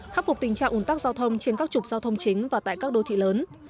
khắc phục tình trạng ủn tắc giao thông trên các trục giao thông chính và tại các đô thị lớn